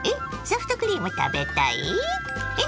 ソフトクリーム食べたい？え？